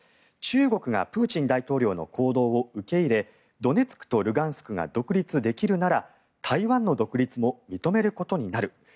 中国がプーチン大統領の行動を受け入れドネツクとルガンスクが独立できるなら台湾の独立も認めることになる。